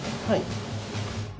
はい。